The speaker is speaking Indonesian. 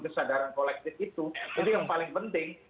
kesadaran kolektif itu itu yang paling penting